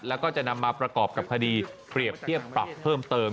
แล้วก็จะนำมาประกอบกับคดีเปรียบเทียบปรับเพิ่มเติม